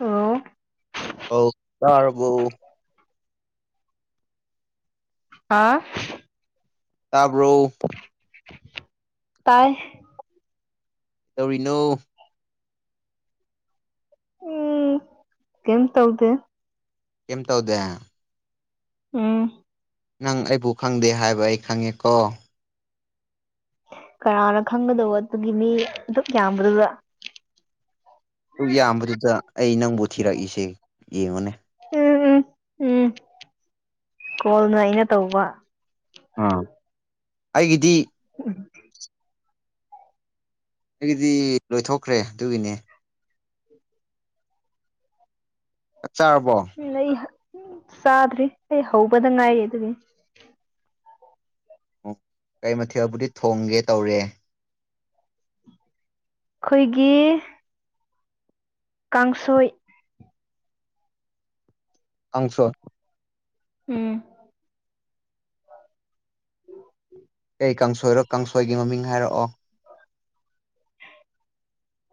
ꯑꯣ ꯑꯣ ꯇꯔꯕꯨ ꯍꯥꯥ ꯇꯥꯕ꯭ꯔꫭ ꯇꯥꯏ ꯀꯩꯗꯧꯔꯤꯅꯣ ꯎꯝ ꯀꯝ ꯇꯧꯗꯦ ꯀꯝ ꯇꯧꯗꯦ ꯎꯝ ꯅꯪ ꯑꯩꯕꯨ ꯈꯪꯗꯦ ꯍꯥꯏꯕ ꯑꯩ ꯈꯪꯉꯦ ꯀꯣ ꯀꯅꯥꯅ ꯈꯪꯒꯗꯧꯕ ꯑꯗꯨꯒꯤ ꯃꯤ ꯑꯗꯨꯝ ꯌꯥꯝꯕꯗꯨꯗ ꯑꯗꯨꯛ ꯌꯥꯝꯕꯗꯨꯗ ꯑꯩ ꯅꯪꯕꯨ ꯊꯤꯔꯛꯏꯁꯦ ꯌꯦꯡꯉꯨꯅꯦ ꯎꯝ ꯎꯝ ꯎꯝ ꯀꯣꯜꯅ ꯑꯩꯅ ꯇꯧꯕ ꯑꯥ ꯑꯩꯒꯤꯗꯤ ꯎꯝ ꯑꯩꯒꯤꯗꯤ ꯂꯣꯏꯊꯣꯛꯈ꯭ꯔꯦ ꯑꯗꯨꯒꯤꯅꯦ ꯆꯥꯛ ꯆꯥꯔꯕꯣ ꯎ ꯆꯗ꯭ꯔꯤ ꯑꯩ ꯍꯧꯕꯗ ꯉꯏ ꯑꯗꯨꯗꯔꯤ ꯎ ꯀꯩ ꯃꯊꯦꯜꯕꯨꯗꯤ ꯊꯣꯡꯒꯦ ꯇꯧꯔꯦ ꯑꯩꯈꯣꯏꯒꯤ ꯀꯥꯡꯁꯣꯏ ꯑꯥꯡꯁꫭꯏ ꯎꯝ ꯑꯩ ꯀꯥꯡꯁꯣꯏꯔꯣ ꯀꯥꯡꯁꯣꯏꯒꯤ ꯃꯃꯤꯡ ꯍꯥꯏꯔꯛꯑꯣ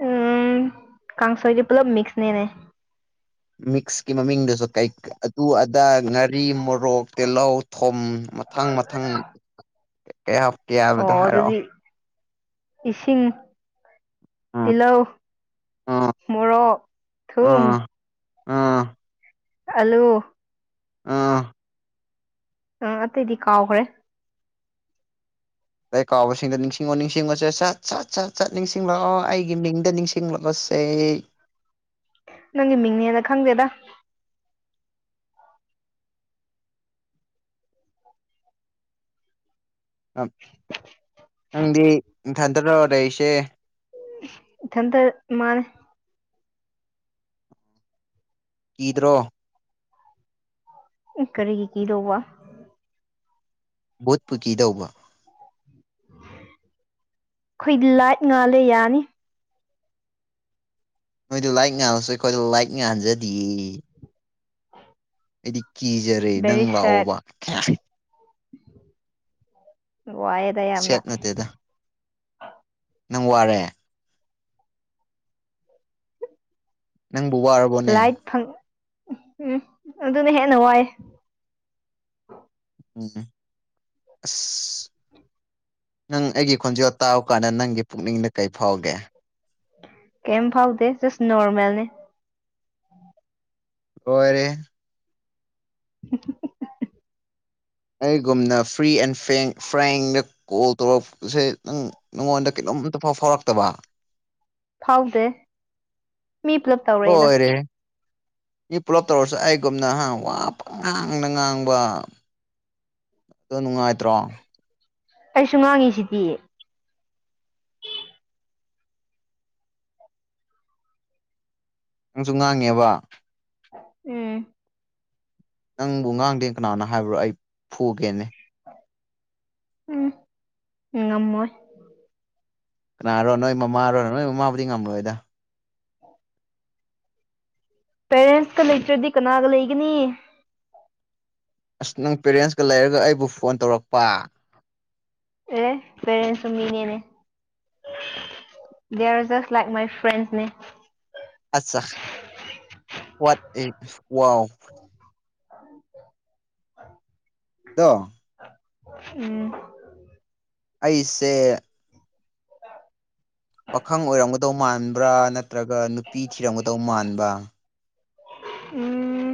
ꯎꯝ ꯀꯁꯣꯏꯗ ꯄꯨꯂꯞ ꯃꯁꯅꯦꯅꯦ ꯃꯤꯛꯁꯀꯤ ꯃꯃꯤꯡꯗꯁꯨ ꯀꯩ ꯑꯗꯨ ꯑꯗꯥ ꯉꯥꯔꯤ ꯃꯣꯔꯣꯛ ꯇꯤꯜꯍꯧ ꯈꯣꯝ ꯃꯊꯪ ꯃꯊꯪ ꯀꯩ ꯀꯥꯏ ꯍꯥꯏꯕꯗꯣ ꯑꯣ ꯍꯥꯏꯔꯛꯑꯣ ꯑꯗꯨꯗꯤ ꯏꯁꯤꯡ ꯎꯝ ꯇꯤꯜꯂꯧ ꯎꯝ ꯃꯣꯔꯣꯛ ꯊꯨꯝ ꯑꯥ ꯑꯂꯨ ꯑꯥ ꯑ ꯑꯇꯩꯩꯗꯤ ꯀꯥꯎꯈ꯭ꯔꯦ ꯑꯩꯇꯩ ꯀꯥꯎꯕꯁꯤꯡꯗ ꯅꯤꯡꯁꯤꯡꯉꯣ ꯅꯤꯡꯁꯤꯡꯉꯣꯁꯦ ꯁꯠ ꯆꯠ ꯁꯠ ꯆꯠ ꯅꯤꯡꯁꯤꯡꯂꯛꯑꯣ ꯑꯩꯒꯤ ꯃꯤ ꯁ‌ꯦ ꯅꯪꯒꯤ ꯃꯤꯡꯅꯦꯅ ꯈꯪꯗꯦꯗ ꯑ ꯅꯪꯗꯤ ꯊꯥꯗꯔꫭ ꯂꯩꯏꯔꯏꯁꯦ ꯏꯊꯟꯗ ꯃꯥꯅꯦ ꯀꯗ꯭ꯔꯣ ꯎꯝ ꯀꯔꯤꯒꯤ ꯀꯤꯗꯣ ꯋꯥ ꯚꯣꯠꯄꯨ ꯀꯤꯇꯧꯕ ꯈꯣꯏꯗ ꯂꯥꯏꯠ ꯉꯥꯜꯂꯦ ꯌꯥꯅꯤ ꯅꯣꯏꯗꯨ ꯂꯥꯏꯇ ꯉꯥꯜꯂꯁꯨ ꯑꯩꯈꯣꯏꯗ ꯂꯥꯏꯇ ꯉꯥꯟꯖꯗꯤꯌ‌ꯦ ꯑꯩꯗꯤ ꯀꯤꯖꯔꯦ ꯅꯪ ꯕꯦꯔꯤ ꯁꯦꯠ ꯂꯥꯛꯑꯣꯕ ꯋꯥꯏꯗ ꯌꯥꯔꯅ ꯁꯦꯠ ꯅꯠꯇꯦꯗ ꯅꯪ ꯋꯥꯔꯦ ꯅꯪꯕꯨ ꯋꯥꯔꯕꯣꯅꯦ ꯎ ꯎꯝ ꯑꯗꯨꯅ ꯍꯦꯟꯅ ꯋꯥꯏꯦ ꯎꯝ ꯑꯁ ꯅꯪ ꯑꯩꯒꯤ ꯈꯣꯟꯖꯣ ꯇꯥꯕ ꯀꯥꯟꯗ ꯅꯪꯒꯤ ꯄꯨꯛꯅꯤꯡꯗ ꯀꯩ ꯐꯥꯎꯒꯦ ꯀꯩꯝ ꯐꯥꯎꯗ ꯖꯁ ꯅꯣꯔꯃꯦꯜꯅꯦ ꯂꫭꯏꯔꯦꯍ‌ꯦ [unintelligible] ꯑꯩꯒꯨꯝꯅ ꯐ꯭ꯔꯤ ꯑꯦꯟ ꯐꯦꯡ ꯐ꯭ꯔꯦꯡꯗ ꯀꯣꯜ ꯇꯧꯔꯛꯄꯁꯦ ꯅꯪ ꯅꯉꯣꯟꯗ ꯀꯩꯅꯣꯝꯇ ꯐꯥꯎ ꯐꯥꯎꯔꯛꯇꯕ ꯐꯥꯎꯗꯦ ꯃꯤ ꯄꯨꯂꯞ ꯇꯧꯔꯛꯑꯦꯗ ꯂꯣꯏꯔꯦ ꯃꯤ ꯄꯨꯂꯞ ꯇꯧꯔꯁꯨ ꯑꯩꯒꯨꯝꯅꯍ ꯋꯥꯕ ꯉꯥꯡꯅ ꯉꯥꯡꯕ ꯑꯗꯨ ꯅꯨꯡꯉꯥꯏꯇ꯭ꯔꯣ ꯑꯩꯁꯨ ꯉꯥꯡꯉꯤꯁꯤꯗꯤ ꯅꯪꯁꯨ ꯉꯥꯡꯉꯦꯕ ꯎꯝ ꯅꯪꯕꯨ ꯉꯥꯡꯗꯦ ꯀꯅꯅꯥ ꯍꯥꯏꯕ꯭ꯔꯣ ꯑꯩ ꯐꯨꯒꯦꯅꯦ ꯎꯝ ꯉꯝꯃꯣꯏ ꯀꯅꯥꯔꯣ ꯅꯣꯏ ꯃꯃꯥꯔꯣ ꯅꯣꯏ ꯃꯃꯥꯕꯨꯗꯤ ꯉꯝꯃꯣꯏꯗ ꯄꯦꯔꯦꯟꯁꯀ ꯂꯩꯇ꯭ꯔꯗꯤ ꯀꯅꯥꯒ ꯂꯩꯒꯅꯤ ꯑꯁ ꯅꯪ ꯄꯦꯔꯦꯟꯁꯀ ꯂꯩꯔꯒ ꯑꯩꯕꯨ ꯐꯣꯟ ꯇꯧꯔꯛꯄ ꯑꯦ ꯄꯦꯔꯦꯟꯁꯨ ꯃꯤꯅꯤꯅꯦ they are just like my ꯐ꯭ꯔꯦꯟꯁꯅꯦ ꯑꯠꯆꯥ ꯋꯥꯠ ꯑꯦ ꯋꯥꯎ ꯑ [unintelligible] ꯑꯗꯣ ꯎꯝ ꯑꯩꯁꯦ ꯄꯥꯈꯪ ꯑꯣꯏꯔꯝꯒꯗꯧ ꯃꯥꯟꯕ꯭ꯔꯥ ꯅꯠꯇ꯭ꯔꯒ ꯅꯨꯄꯤ ꯊꯤꯔꯝꯒꯗꯧ ꯃꯥꯟꯕ꯭ꯔꯥ ꯎꯝ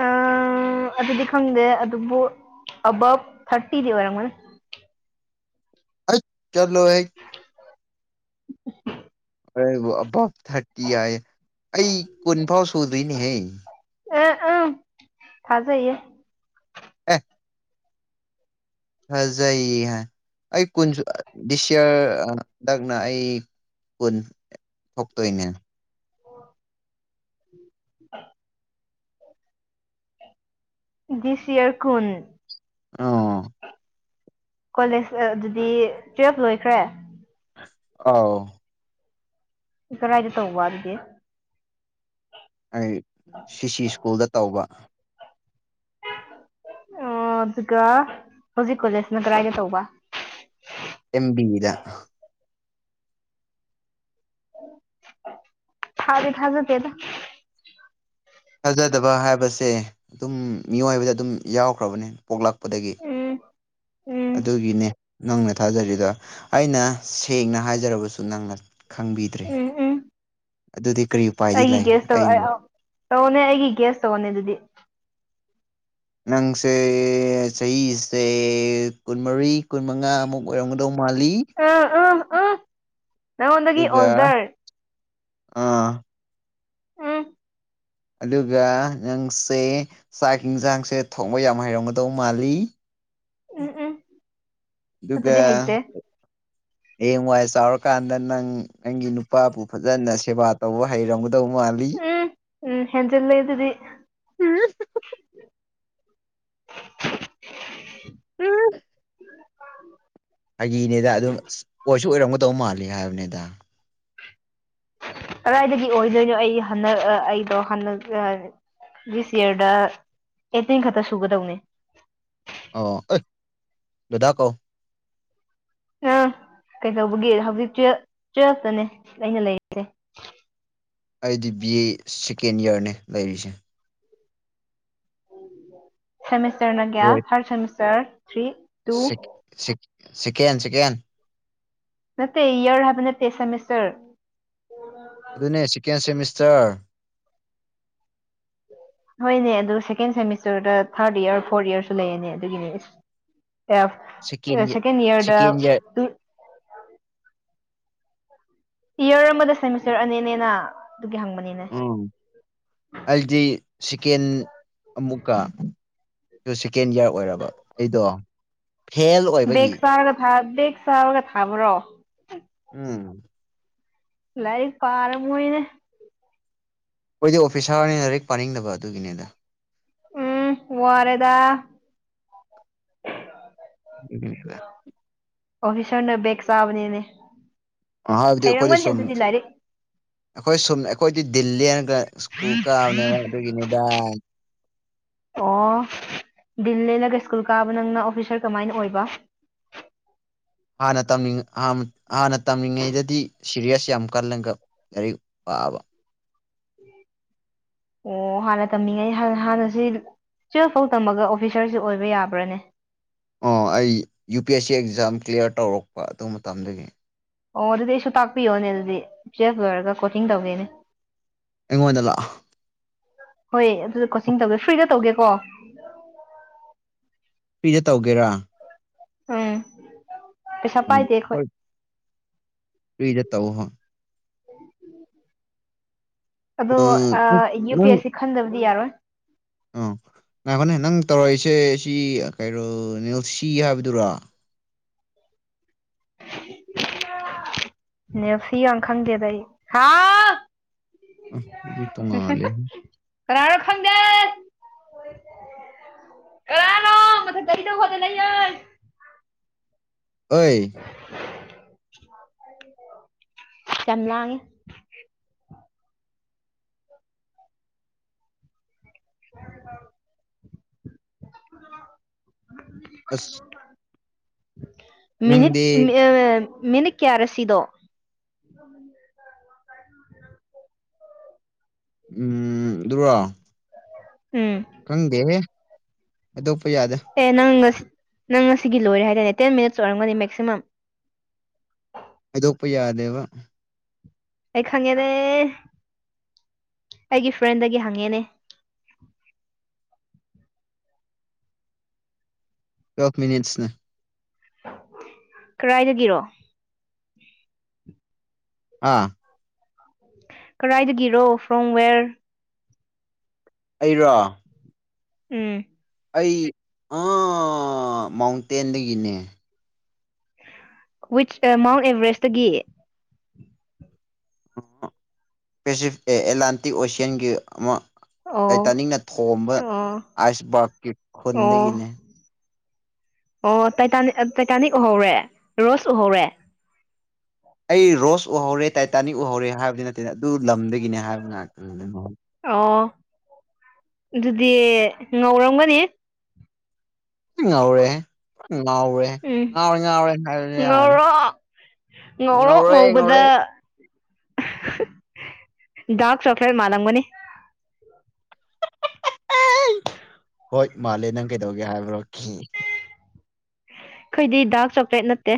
ꯑꯥꯡ [unintelligible] ꯑꯗꯨꯗꯤ ꯈꯪꯗꯦ ꯑꯗꯨꯕꯨ ꯑꯥꯕꯞ ꯊꯥꯔꯇꯤꯗꯤ ꯑꯣꯏꯔꯝꯒꯅꯤ ꯑꯩꯠ ꯆꯠꯂꯣ ꯍꯦ ꯑꯩꯕꯨ ꯑꯥꯕꯞ ꯊꯥꯔꯇꯤ ꯍꯥꯏꯌꯦ ꯑꯩ ꯀꯨꯟ ꯐꯥꯎ ꯁꯨꯗ꯭ꯔꯤꯅꯥꯍꯦ ꯑ ꯎꯝ ꯊꯥꯖꯩꯌꯦ ꯑꯦ ꯐꯖꯩ ꯍꯥꯏ ꯑꯩ ꯀꯨꯟꯁꯨ ꯗꯤꯁ ꯌꯔ ꯍꯟꯗꯛꯅ ꯑꯩ ꯀꯨꯟ ꯊꯣꯛꯇꯣꯏꯅꯦ ꯑ [unintelligible] ꯗꯤꯁ ꯌꯔ ꯀꯨꯟ ꯑ [unintelligible] ꯀꯣꯂꯦꯖ ꯑꯗꯨꯗꯤ ꯇꯨꯋꯦꯜꯐ ꯂꯣꯏꯈ꯭ꯔꯦ ꯑꯥꯎ ꯀꯔꯥꯏꯗ ꯇꯧꯕ ꯑꯗꯨꯗꯤ ꯑꯩ ꯁꯤ-ꯁꯤ ꯁ꯭ꯀꯨꯜꯗ ꯇꯧꯕ ꯑ [unintelligible] ꯑꯣ ꯑꯗꯨꯒ ꯍꯧꯖꯤꯛ ꯀꯣꯂꯦꯖꯅ ꯀꯗꯥꯥꯏꯗ ꯇꯧꯕ ꯑꯦꯝꯕꯤꯗꯥ ꯊꯥꯗꯤ ꯊꯥꯖꯗꯦꯗ ꯊꯥꯖꯗꯕ ꯍꯥꯏꯕꯁꯦ ꯑꯗꯨꯝ ꯃꯤꯑꯣꯏꯕꯗ ꯑꯗꯨꯝ ꯌꯥꯎꯈ꯭ꯔꯕꯅꯦ ꯄꯣꯛꯂꯛꯄꯗꯒꯤ ꯎꯝ ꯎꯝ ꯑꯗꯨꯒꯤꯅꯦ ꯅꯪꯅ ꯊꯥꯖꯗ꯭ꯔꯤꯗꯣ ꯑꯩꯅ ꯁꯦꯡꯅ ꯍꯥꯏꯖꯔꯕꯁꯨ ꯅꯪꯅ ꯈꯪꯕꯤꯗ꯭ꯔꯦ ꯎꯝ ꯎꯝ ꯑꯗꯨꯗꯤ ꯀꯔꯤ ꯎꯄꯥꯏꯗꯤ ꯂꯩ ꯑꯩꯅ ꯇꯧꯋꯣꯅꯦ ꯑꯩꯒꯤ ꯒꯦꯁ ꯇꯧꯋꯣꯅꯦ ꯑꯗꯨꯗꯤ ꯅꯪꯁꯦ ꯆꯥꯍꯤꯁꯦ ꯀꯨꯟꯃꯔꯤ ꯀꯨꯟꯃꯉꯥꯃꯨꯛ ꯑꯣꯏꯔꯝꯒꯗꯧꯕ ꯑꯥ ꯑꯥ ꯑꯥ ꯅꯉꯣꯟꯗꯒꯤ ꯑꯗꯨꯒ ꯑꯣꯜꯗꯔ ꯑꯥ ꯎꯝ ꯑꯗꯨꯒ ꯅꯪꯁꯦ ꯆꯥꯛ ꯍꯤꯟꯖꯥꯡꯁꯦ ꯊꯣꯡꯕ ꯌꯥꯝ ꯍꯩꯔꯝꯒꯗꯧ ꯃꯥꯜꯂꯤ ꯎꯝ ꯎꯝ ꯑꯗꯨꯒ ꯑꯗꯨꯗꯤ ꯍꯩꯇꯦ ꯍꯌꯦꯡꯋꯥꯏ ꯆꯥꯎꯔꯀꯥꯟꯗ ꯅꯪ ꯅꯪꯒꯤ ꯅꯨꯄꯥꯕꯨ ꯐꯖꯅ ꯁꯦꯕꯥ ꯇꯧꯕ ꯍꯩꯔꯝꯒ ꯗꯧ ꯃꯥꯜꯂꯤ ꯎꯝ ꯎꯝ ꯍꯦꯟꯖꯤꯜꯂꯦ ꯑꯗꯨꯗꯤ ꯐꯥꯒꯤꯅꯦꯗ ꯑꯗꯨꯝ ꯑꯣꯏꯁꯨ ꯑꯣꯏꯔꯝꯒꯗꯧ ꯃꯥꯜꯂꯦ ꯍꯥꯏꯕꯅꯦꯗ ꯀꯗꯥꯏꯗꯒꯤ ꯑꯣꯏꯗꯣꯏꯅꯣ ꯑꯩ ꯍꯟꯗꯛ ꯑꯩꯗꯣ ꯍꯟꯗꯛ ꯗꯤꯁ ꯌꯔꯗ ꯑꯩꯠꯇꯤꯟ ꯈꯛꯇ ꯁꯨꯒꯗꯧꯅꯦ ꯑꯣ ꯑꯣ ꯑꯩ ꯗꯥ-ꯗꯥ ꯀꯧ ꯑꯥ [unintelligible] ꯀꯩꯗꯧꯕꯒꯤ ꯍꯧꯖꯤꯛ ꯇꯨ ꯇꯨꯋꯦꯜꯐꯇꯅꯦ ꯑꯩꯅ ꯂꯩꯔꯤꯁꯦ ꯑꯩꯗꯤ ꯕꯤ ꯑꯦ ꯁꯦꯀꯦꯟ ꯏꯌꯥꯔꯅꯦ ꯂꯩꯔꯤꯁꯦ ꯁꯦꯃꯤꯁꯇꯔꯅ ꯀꯌꯥ ꯊꯥꯔ ꯁꯦꯃꯤꯁꯇꯔ ꯊ꯭ꯔꯤ ꯇꯨ ꯁꯤꯀꯦꯟ ꯆꯀꯦꯟ ꯅꯠꯇꯇꯩ ꯏꯌꯥꯔ ꯍꯥꯏꯕꯅꯦ ꯇꯦ ꯁꯦꯃꯤꯁꯔ ꯑꯗꯨꯅꯦ ꯁꯦꯀꯦꯟ ꯁꯦꯃꯤꯁꯇꯔ [inaudible] ꯍꯣꯏꯅꯦ ꯑꯗꯨ ꯁꯦꯀꯦꯟ ꯁꯦꯃꯤꯁꯇꯔꯗ ꯊꯥꯔꯠ ꯏꯔ ꯐꯣꯔꯠ ꯏꯔꯁꯨ ꯂꯩꯅꯦ ꯑꯗꯨꯒꯤꯅꯦ ꯑꯁ ꯑꯦ ꯁꯦꯀꯦꯟ ꯏꯌꯔꯗ ꯁꯦꯀꯦꯟ ꯏꯌꯥꯔ ꯏꯌꯔ ꯑꯃꯗ ꯁꯦꯃꯤꯁꯇꯔ ꯑꯅꯤꯅꯦꯅ ꯑꯗꯨꯒꯤ ꯍꯪꯕꯅꯤꯅꯦ ꯁꯤꯀꯦꯟ ꯑꯃꯨꯛꯀ ꯑꯗꯨ ꯁꯦꯀꯦꯟ ꯏꯌꯥꯔ ꯑꯣꯏꯔꯕ ꯑꯩꯗꯣ ꯐꯦꯜ ꯕꯦꯛ ꯑꯣꯏꯕꯒꯤ ꯆꯥꯔꯒ ꯊꯥ ꯕꯦꯛ ꯆꯥꯔꯒ ꯊꯥꯕꯔꯣ ꯎꯝ ꯂꯥꯏꯔꯤꯛ ꯄꯥꯔꯝꯃꯣꯏꯅꯦ ꯈꯣꯏꯗꯤ ꯑꯣꯐꯤꯁꯥꯔꯅꯤꯅ ꯂꯥꯏꯔꯤꯛ ꯄꯥꯅꯤꯡꯗꯕ ꯑꯗꯨꯒꯤꯅꯦꯗ ꯎꯝ ꯋꯥꯔꯦꯗꯥ [unintelligible] ꯑꯣꯐꯤꯁꯔꯅ ꯕꯦꯛ ꯆꯥꯕꯅꯤꯅꯦ ꯃꯍꯥꯛꯇꯤ ꯑꯈꯣꯏꯒ ꯍꯩꯔꯝꯒꯅꯤ ꯁꯨꯝ ꯑꯗꯨꯗꯤ ꯂꯥꯏꯔꯤꯛ ꯑꯈꯣꯏ ꯁꯨꯝ ꯑꯩꯈꯣꯏꯗꯤ ꯗꯤꯜꯂꯦꯟ ꯀꯦ ꯁꯀ꯭ꯨꯜ ꯀꯥꯕꯅꯦꯕ ꯑꯗꯨꯒꯤꯅꯦꯗꯥ ꯑꯣ ꯗꯤꯜ ꯂꯂꯒ ꯁ꯭ꯀꯨꯜ ꯀꯥꯕ ꯅꯪꯅ ꯑꯣꯐꯤꯁꯥꯔ ꯀꯃꯥꯏꯅ ꯑꯣꯏꯕ [inaudible] ꯍꯥꯟꯅ ꯍꯥꯟꯅ ꯇꯝꯃꯤꯉꯩꯗꯗꯤ ꯁꯤꯔꯤꯌꯥꯁ ꯑꯃꯀꯂꯒ ꯋꯥꯕ ꯑꯣ ꯍꯥꯟꯅ ꯇꯝꯃꯤꯉꯩ ꯍꯥꯟꯅꯁꯤ ꯇꯨꯋꯦꯜꯐ ꯐꯥꯎ ꯇꯝꯃꯒ ꯑꯣꯐꯤꯁꯥꯔꯁꯤ ꯑꯣꯏꯕ ꯌꯥꯕ꯭ꯔꯅꯦ ꯑꯣ ꯑꯩ U P S C exam clear ꯇꯧꯔꯛꯄ ꯑꯗꯨ ꯃꯇꯝꯗꯒꯤ ꯑꯣ ꯑꯗꯨꯗꯤ ꯑꯩꯁꯨ ꯇꯥꯛꯄꯤꯌꯣꯅꯦ ꯑꯗꯨꯗꯤ ꯇꯨꯌꯦꯐ ꯂꯣꯏꯔꯒ ꯀꯣꯆꯤꯡ ꯇꯧꯒꯦꯅꯦ ꯑꯩꯉꯣꯟꯗ ꯂꯥꯛꯑꯣ ꯍꯣꯏ ꯑꯗꯨꯗ ꯀꯣꯆꯤꯡ ꯇꯧꯒꯦ ꯐ꯭ꯔꯤꯗ ꯇꯧꯒꯦꯀꯣ ꯄꯄꯤꯗ ꯇꯧꯒꯦꯔꯥ ꯎꯝ ꯄꯩꯁꯥ ꯄꯥꯏꯗꯦ ꯑꯩꯈꯣꯏ ꯇꯏꯖ ꯇꯎꯍ [inaudible] ꯑꯗꯣ ꯎꯝ ꯌꯨ ꯄꯤ ꯅꯪ ꯑꯦꯁ ꯁꯤ ꯈꯟꯗꯕꯗꯤ ꯌꯥꯔꯣꯏ ꯑꯥ ꯉꯥꯥꯏꯈꯣꯅꯦ ꯅꯪ ꯇꯧꯔꯛꯏꯁꯦ ꯁꯤ ꯀꯩꯅꯣ ꯅꯦꯜꯁꯤ ꯍꯥꯏꯕꯗꯨꯔꯥ ꯅꯦꯜꯁꯤ ꯌꯥꯝ ꯈꯪꯗꯦꯗ ꯑꯩ ꯑꯗꯨꯗꯤ ꯇꯣꯡꯉꯥꯜꯂꯦ [inaudible] ꯀꯅꯥꯅꫭ ꯈꯪꯗꯦ ꯀꯩ ꯍꯥꯏꯅꫭ ꯃꯊꯛꯇ ꯀꯔꯤꯗ ꯈꯣꯗꯅ ꯑꯣꯏ ꯆ ꯂꯥꯡꯒꯦ ꯍ ꯑꯁ ꯃꯤꯠ ꯅꯪꯗꯤ ꯃꯤꯅꯠ ꯀꯌꯥꯔꯁꯤꯗꯣ ꯎꯝ ꯔ ꯎꯝ ꯍꯪꯗꯦꯕ ꯑꯗꯨꯗ ꯑꯦ ꯅꯪꯁ ꯅꯪ ꯉꯁꯤ ꯂꯣꯏꯔꯦ ꯍꯥꯏꯇꯥꯅꯦ ꯇꯦꯟ ꯃꯤꯅꯤꯠꯁ ꯑꯣꯏꯔꯝꯒꯅꯤ ꯃꯦꯛꯁꯤꯃꯝ ꯑꯗꯣꯄ ꯌꯥꯗꯦꯕ ꯑꯩ ꯈꯪꯉꯦꯅꯦ ꯑꯩꯒꯤ ꯐ꯭ꯔꯦꯟꯗꯒꯤ ꯍꯪꯉꯦꯅꯦ [inaudible] ꯀꯐ ꯃꯤꯅꯤꯠꯁꯅꯦ ꯀꯗꯥꯥꯏꯗꯒꯤꯔꯣ ꯑꯥ ꯀꯔꯥꯏꯗꯒꯤꯔꯣ ꯐ꯭ꯔꯣꯝ ꯋꯦꯔ ꯑꯩꯔꯥ ꯎꯝ ꯑꯩ ꯑꯥ ꯃꯥꯎꯟꯇꯦꯟꯗꯒꯤꯅꯦ ꯋꯤꯠꯁ ꯑ ꯃꯥꯎꯟ ꯑꯦꯚꯔꯦꯁꯇꯒꯤ ꯑꯦꯠꯂꯥꯟꯇꯤꯛ ꯑꯣꯁꯤꯌꯥꯟꯒꯤ ꯑꯩ ꯑꯣ ꯇꯥꯅꯤꯡꯅ ꯊꯣꯝꯕ ꯑꯣ ꯑꯥꯏꯁ ꯔꯛꯀꯤ ꯑꯣ ꯈꯨꯟꯗꯒꯤꯅꯦ ꯑꯣ ꯇꯇꯥꯅꯤ ꯇꯥꯏꯇꯥꯅꯤꯛ ꯎꯍꯧꯔꯦ ꯔꯣꯁ ꯎꯍꯧꯔꯦ ꯑꯩ ꯔꯣꯁ ꯎꯍꯧꯔꯦ ꯇꯥꯏꯇꯥꯅꯤꯛ ꯎꯍꯧꯔꯦ ꯍꯥꯏꯕꯗꯤ ꯅꯠꯇꯦꯅ ꯑꯗꯨ ꯂꯝꯗꯒꯤꯅꯦ ꯍꯥꯏꯕ ꯉꯥꯛꯇ ꯑꯣ ꯑꯗꯨꯗꯤ ꯉꯧꯔꯝꯒꯅꯤ ꯏ ꯉꯎꯦ ꯏ ꯎꯝ ꯉꯥꯎꯦ ꯉ ꯉꯦꯅꯤ ꯉꯧꯔꯣ ꯉꯧꯔꯣ ꯉꯧꯕꯗ ꯗꯔꯛ ꯆꯣꯀ꯭ꯂꯦꯠ ꯃꯥꯅꯂꯝꯒꯅꯤ ꯍꯣꯏ ꯃꯥꯂꯦ ꯅꯪ ꯀꯩꯗꯧꯒꯦ ꯍꯥꯏꯕ꯭ꯔꯣ ꯑꯩꯈꯣꯏꯗꯤ ꯗꯥꯛ ꯆꯣꯀ꯭ꯂꯦꯠ ꯅꯠꯇꯦ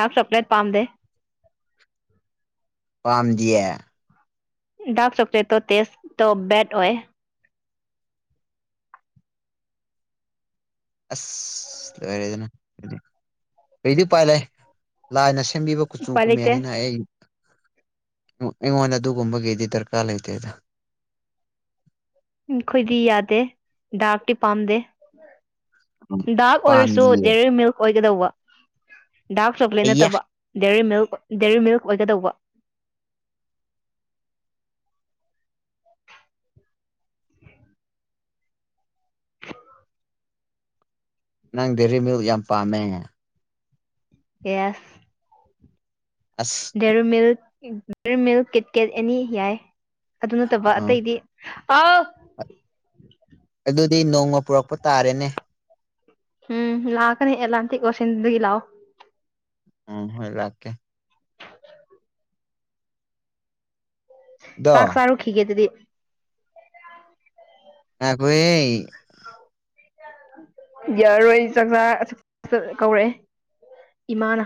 ꯗꯥꯛ ꯆꯣꯀ꯭ꯂꯦꯠ ꯄꯥꯝꯗꯦ ꯄꯥꯝ ꯗ ꯗꯥꯀ ꯆꯥꯛꯀꯂꯦꯠꯇ ꯇꯦꯁ ꯇꯣ ꯦꯠ ꯑꯣꯏ ꯑꯁ ꯂꯣꯏꯔꯦꯗꯅꯗꯤ ꯀꯩꯗꯤ ꯄꯥꯏ ꯂꯩ ꯂꯥꯏꯅ ꯁꯦꯝꯕꯤꯕ ꯀꯨꯆꯨ ꯎꯄꯥꯏ ꯂꯩꯇꯦ ꯀꯨꯝꯃꯦꯅꯤꯅ ꯑꯩ ꯑꯩꯉꯣꯟꯗ ꯑꯗꯨꯒꯨꯝꯕꯒꯤꯗꯤ ꯗꯔꯀꯥꯔ ꯂꯩꯇꯦꯗ ꯎ ꯈꯣꯏꯗꯤ ꯌꯥꯗꯦ ꯗꯥꯛ ꯇꯤ ꯄꯝꯗꯦ ꯗꯥꯛ ꯑꯣꯏꯔꯁꯨ ꯄꯥꯝꯗꯤꯌꯦ ꯗꯦꯔꯤꯔꯤ ꯃꯤꯜꯛ ꯑꯣꯏꯒꯗꯧꯕ ꯗꯥꯔꯛ ꯆꯣꯀ꯭ꯂꯦꯠ ꯑꯩꯌꯥ ꯅꯠꯇꯕ ꯗꯦꯔꯤ ꯃꯤꯜꯛ ꯗꯦꯔꯤ ꯃꯤꯜꯛ ꯑꯣꯏꯒꯗꯧꯕ ꯅꯪ ꯗꯦꯔꯤ ꯃꯤꯨꯛ ꯌꯥꯝ ꯄꯥꯝꯃꯦ ꯌꯦꯁ ꯑꯁ ꯗꯦꯔꯃꯤꯜ ꯗꯦꯔꯃꯤꯜ ꯀꯤꯠꯀꯤꯦꯠ ꯑꯦꯅꯤ ꯌꯥꯏ ꯑꯗꯨ ꯅꯠꯇꯕ ꯑ ꯑꯇꯩꯗꯤ ꯑ ꯑꯗꯨꯗꯤ ꯅꯣꯡꯃ ꯄꯨꯔꯛꯄ ꯇꯥꯔꯦꯅꯦ ꯎꯝ ꯂꯥꯛꯀꯅꯤ ꯂꯥꯟꯇꯀꯣꯁꯤꯟꯗꯨꯗꯒꯤ ꯂꯥꯛꯑꯣ ꯎ ꯏ ꯂꯥꯛꯀꯦ ꯑꯗꯣ ꯆꯥꯛ ꯆꯥꯔꯨꯈꯤꯒꯦ ꯑꯗꯨꯗꯤ ꯑꯩꯈꯣꯏ ꯌꯥꯔꯣꯏ ꯆꯥꯛꯆꯥ ꯀꯧꯔꯛꯑꯦ ꯏꯃꯥꯅ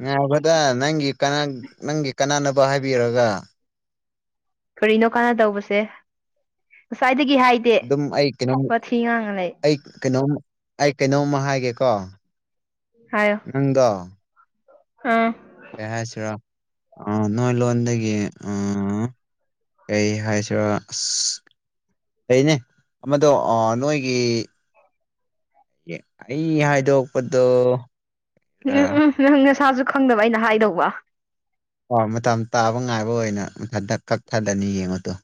ꯉꯥꯏꯔꯕꯗ ꯅꯪꯒꯤ ꯅꯪꯒꯤ ꯀꯅꯥꯅꯕ ꯍꯥꯏꯕꯤꯔꯒ ꯀꯔꯤꯅꯣ ꯀꯥꯟꯅ ꯇꯧꯕꯁꯦ ꯉꯁꯥꯏꯗꯒꯤ ꯍꯥꯏꯗꯦ ꯑꯗꯨꯝ ꯑꯩ ꯀꯩꯅꯣꯝ ꯋꯥꯊꯤ ꯉꯥꯡꯉ ꯂꯩ ꯑꯩ ꯀꯩꯅꯣꯝ ꯑꯩ ꯀꯩꯅꯣꯝꯃ ꯍꯥꯏꯒꯦꯀꯣ ꯅꯪꯗꯣ ꯍꯝ ꯀꯩ ꯍꯥꯏꯁꯤꯔꯣ ꯑ ꯅꯣꯏ ꯂꯣꯟꯗꯒꯤ ꯑ ꯑꯩ ꯍꯥꯏꯁꯤꯔ ꯑꯁ ꯂꯩꯩꯅꯦ ꯑꯃꯗꯣ ꯅꯣꯏꯒꯤ ꯑꯩ ꯍꯥꯏꯗꯣꯛꯄꯗꯣ ꯎꯝ ꯎꯝ ꯅꯪ ꯅꯁꯥꯁꯨ ꯈꯪꯗꯕ ꯑꯩꯅ ꯍꯥꯏꯗꯧꯕ ꯑꯣ ꯃꯇꯝ ꯇꯥꯕ ꯉꯥꯏꯕ ꯑꯣꯏꯅ ꯃꯊꯟ ꯀꯛꯊꯗꯅꯤ ꯌꯦꯡꯉꯗꯣ